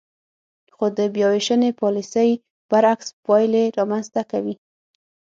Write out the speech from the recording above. خو د بیاوېشنې پالیسۍ برعکس پایلې رامنځ ته کوي.